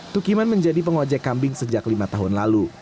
tukiman menjadi pengojek kambing sejak lima tahun lalu